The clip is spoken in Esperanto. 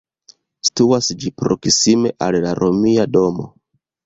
Situas ĝi proksime al la Romia domo.